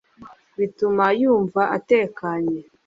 bituma yumva atekanye